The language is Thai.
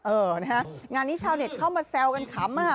เออนะฮะงานนี้ชาวเน็ตเข้ามาแซวกันขำ